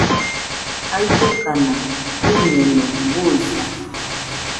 jaidɨkaka uiñeno, buisa